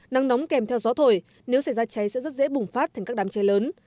nắng nóng kèm theo gió thổi nếu xảy ra cháy sẽ rất dễ bùng phát thành các đám cháy lớn